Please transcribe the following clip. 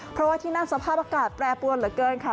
เพราะว่าที่นั่นสภาพอากาศแปรปวนเหลือเกินค่ะ